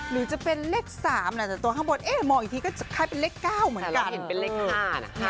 หรือจะเป็นเลข๓แต่ตัวข้างบนเอ๊ะมออีกทีก็คล้ายเป็นเลข๙เหมือนกัน